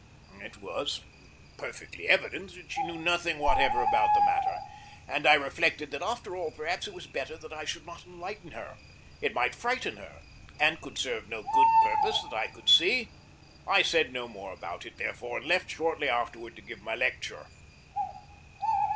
It was perfectly evident that she knew nothing whatever about the matter, and I reflected that, after all, perhaps it was better that I should not enlighten her. It might frighten her, and could serve no good purpose that I could see. I said no more about it, therefore, and left shortly afterward to give my lecture.